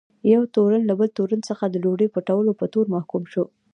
یو تورن له بل تورن څخه د ډوډۍ پټولو په تور محکوم شو.